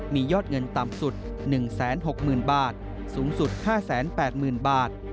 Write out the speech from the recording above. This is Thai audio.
มียอดเงินต่ำสุด๑๖๐๐๐บาทสูงสุด๕๘๐๐๐บาท